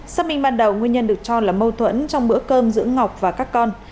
xác minh ban đầu nguyên nhân được cho là mâu thuẫn trong bữa cơm giữa ngọc và các con